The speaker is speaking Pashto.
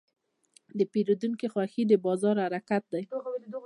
د پیرودونکي خوښي د بازار حرکت دی.